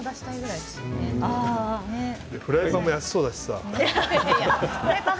フライパンも安そうだしさ。